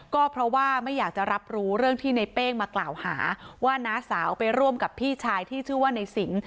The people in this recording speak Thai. ก็เพราะว่าไม่อยากจะรับรู้เรื่องที่ในเป้งมากล่าวหาว่าน้าสาวไปร่วมกับพี่ชายที่ชื่อว่าในสิง